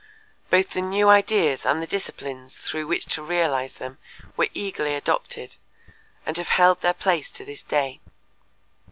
Both the new ideas and the disciplines through which to realize them were eagerly adopted, and have held their place to this day.